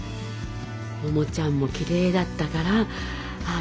百ちゃんもきれいだったからああ